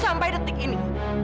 sampai detik ini